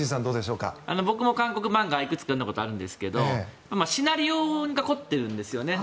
僕も韓国漫画、いくつか読んだことあるんですがシナリオが凝っているんですね。